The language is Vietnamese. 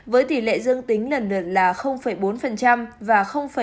với tỷ lệ dương tính lần lượt là bốn và bốn